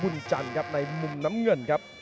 แล้วต่อพิกัดได้ครับทุกคนนะครับทุกคนนะครับ